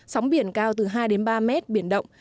sóng biển cao từ hai đến ba mét biển động